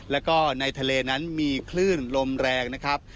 แล้วก็ในทะเลนั้นมีคลื่นลมแรงนะครับ